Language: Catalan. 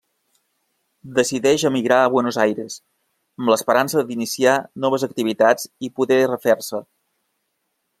Decideix emigrar a Buenos Aires, amb l'esperança d'iniciar noves activitats i poder refer-se.